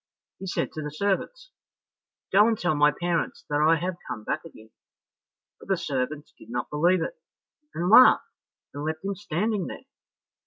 He said to the servants, "Go and tell my parents that I have come back again." But the servants did not believe it, and laughed and left him standing there.